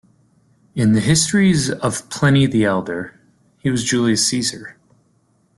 In "The Histories of Pliny the Elder", he was Julius Caesar.